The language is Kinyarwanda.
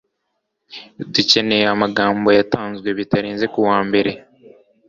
Dukeneye amagambo yatanzwe bitarenze kuwa mbere.